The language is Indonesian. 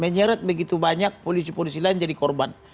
menyeret begitu banyak polisi polisi lain jadi korban